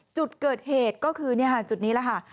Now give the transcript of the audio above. จุดเกิดเหตุก็คือจุดนี้แหละค่ะ